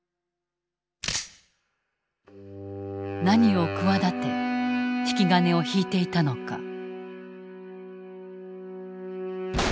何を企て引き金を引いていたのか。